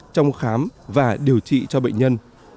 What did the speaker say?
trong khám và điều trị cho bệnh nhân